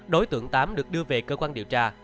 đối tượng tám được đưa về cơ quan điều tra